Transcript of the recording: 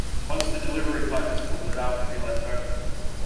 Once the delivery pipe is full the valve can be left open.